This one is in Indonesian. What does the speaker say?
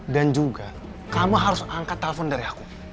dan juga kamu harus angkat telepon dari aku